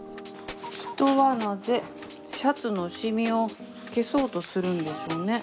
人はなぜシャツのシミを消そうとするんでしょうね。